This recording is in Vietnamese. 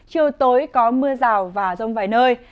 chiều tối có mưa rào và rông vài nơi